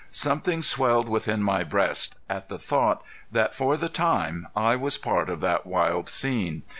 Something swelled within my breast at the thought that for the time I was part of that wild scene.